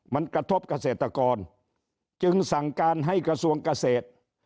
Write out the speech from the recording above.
มันกระทบเกษตรกรจึงสั่งการให้กระทรวงเกษตร